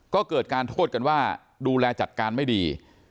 ก็เกิดการโทษกันว่าดูแลจัดการไม่ดี